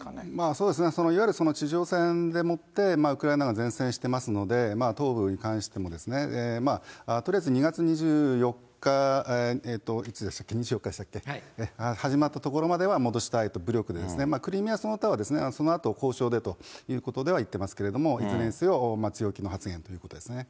そうですね、いわゆる地上戦でもってウクライナが善戦してますので、東部に関してもとりあえず２月２４日、いつでしたっけ、２４日でしたっけ、始まったところまでは戻したいと、武力で、クリミアその他はそのあと交渉でということで入ってますけれども、いずれにせよ強気の発言ということですね。